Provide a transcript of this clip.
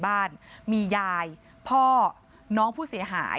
พี่น้องของผู้เสียหายแล้วเสร็จแล้วมีการของผู้เสียหาย